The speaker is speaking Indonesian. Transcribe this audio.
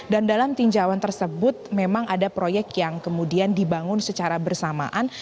dan dalam tinjauan tersebut memang ada proyek yang kemudian dibangun secara bersamaan